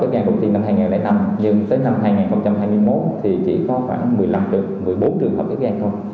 ghép gan đầu tiên năm hai nghìn năm nhưng tới năm hai nghìn hai mươi một thì chỉ có khoảng một mươi năm trường một mươi bốn trường hợp ghép gan thôi